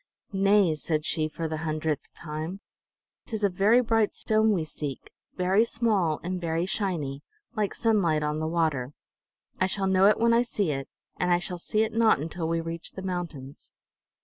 "Nay," said she, for the hundredth time. "Tis a very bright stone we seek, very small and very shiny, like sunlight on the water. I shall know it when I see it, and I shall see it not until we reach the mountains."